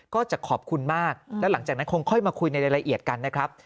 ก็จะขอบคุณมากแล้วหลังจากนั้นคงค่อยมาคุยในรายละเอียดกันนะครับ